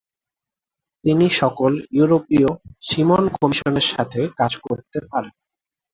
তিনি সকল ইউরোপীয় সীমন কমিশনের সাথে কাজ করতে পারেন।